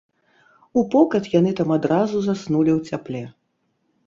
Упокат яны там адразу заснулі ў цяпле.